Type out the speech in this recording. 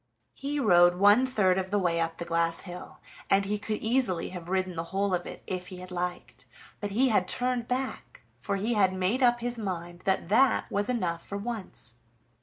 He rode one third of the way up the glass hill, and he could easily have ridden the whole of it if he had liked; but he had turned back, for he had made up his mind that that was enough for once.